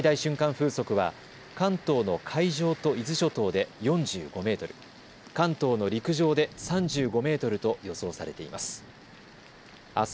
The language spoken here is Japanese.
風速は関東の海上と伊豆諸島で４５メートル、関東の陸上で３５メートルと予想されています。